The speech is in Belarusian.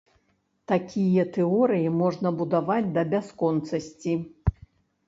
Такія тэорыі можна будаваць да бясконцасці.